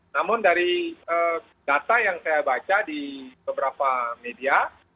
namun dari data yang saya baca di beberapa media